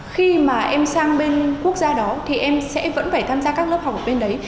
khi mà em sang bên quốc gia đó thì em sẽ vẫn phải tham gia các lớp học ở bên đấy